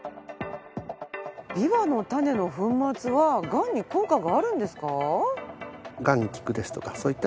ビワの種の粉末はがんに効果があるんですか？